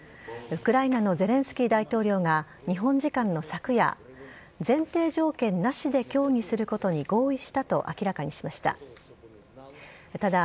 ウクライナのゼレンスキー大統領が、日本時間の昨夜、前提条件なしで協議することに合意したと明らかにしました。